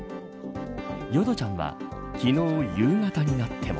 淀ちゃんは昨日夕方になっても。